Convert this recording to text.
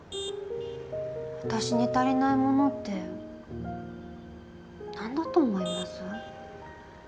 私に足りないものってなんだと思います？